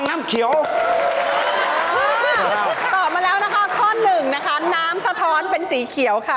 น้ำสะท้อนเป็นสีเขียวค่ะ